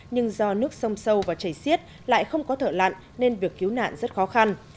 nhưng do nước sông sâu và chảy xiết lại không có thở lặn nên việc cứu nạn rất khó khăn